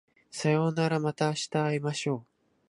さようならまた明日会いましょう